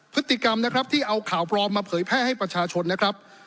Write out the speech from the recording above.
พฤติกรรมนะครับที่เอาข่าวปลอมมาเผยแพร่ให้ประชาชนนะครับ